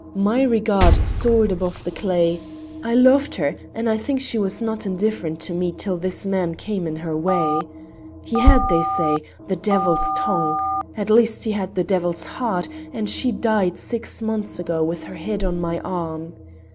"My regard soared above the clay; I loved her, and I think she was not indifferent to me till this man came in her way. He had, they say, the devil's tongue; at least he had the devil's heart, and she died six months ago with her head on my arm.